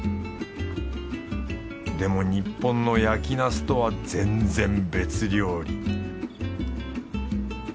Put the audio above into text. でも日本の焼きナスとは全然別料理